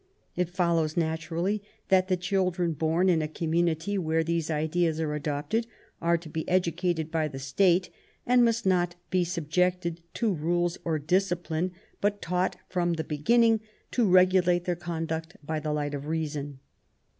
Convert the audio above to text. It follows naturally that the children bom in a community where these ideas are adopted are to be educated by the State, and must not be subjected to rules or discipline, but taught frojprir WILLIAM GODWIN. 175 the beginning to regulate their conduct by the light of reason.